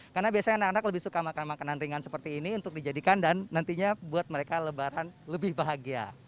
karena biasanya anak anak lebih suka makan makanan ringan seperti ini untuk dijadikan dan nantinya buat mereka lebaran lebih bahagia